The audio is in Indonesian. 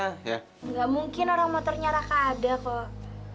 ga mungkin orang mau ternyata raka ada kok